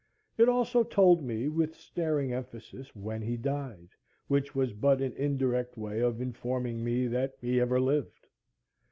It also told me, with staring emphasis, when he died; which was but an indirect way of informing me that he ever lived.